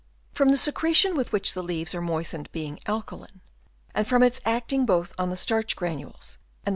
From the secretion with which the leaves are moistened being alkaline, and from its acting both on the starch granules and on 44 HABITS OF WORMS. Chap. i.